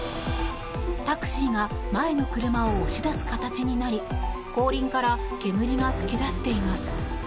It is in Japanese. タクシーが前の車を押し出す形になり後輪から煙が噴き出しています。